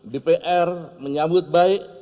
dpr menyambut baik